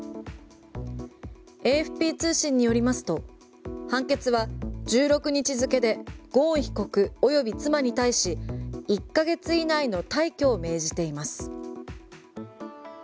ＡＦＰ通信によりますと判決は１６日付でゴーン被告及び妻に対し１ヶ月以内の退去を命じています。